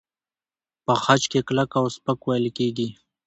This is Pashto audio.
په خج کې کلک او سپک وېل کېږي.